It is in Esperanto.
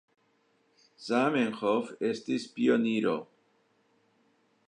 Zamenhof estis pioniro.